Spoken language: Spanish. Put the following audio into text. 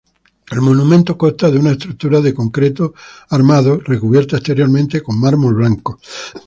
El monumento consta de una estructura de concreto armando recubierta exteriormente con mármol blanco.